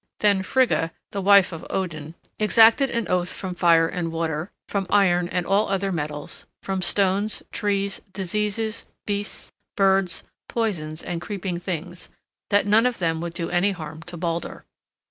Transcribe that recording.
Then Frigga, the wife of Odin, exacted an oath from fire and water, from iron and all other metals, from stones, trees, diseases, beasts, birds, poisons, and creeping things, that none of them would do any harm to Baldur.